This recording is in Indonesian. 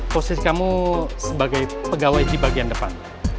posisi kamu sebagai pegawai di bagian depan